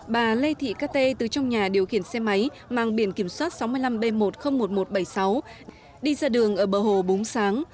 bà lê thị cát tê từ trong nhà điều khiển xe máy mang biển kiểm soát sáu mươi năm b một trăm linh một nghìn một trăm bảy mươi sáu đi ra đường ở bờ hồ búng sáng